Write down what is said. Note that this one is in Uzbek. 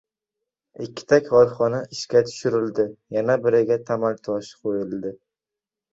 Ikkita korxona ishga tushirildi, yana biriga tamal toshi qo‘yildi